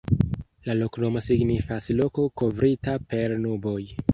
La loknomo signifas: "Loko kovrita per nuboj".